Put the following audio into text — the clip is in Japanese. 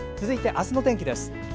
続いて、あすの天気です。